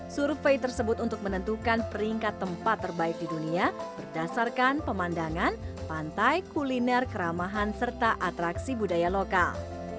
survei tersebut untuk menentukan peringkat tempat terbaik di dunia berdasarkan pemandangan pantai kuliner keramahan serta atraksi budaya lokal